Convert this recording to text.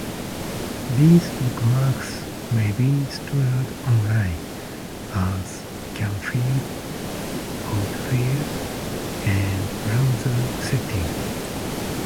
These bookmarks may be stored online - as can feeds, autofills, and browser settings.